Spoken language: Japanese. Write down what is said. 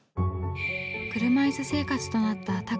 車いす生活となった田口さん。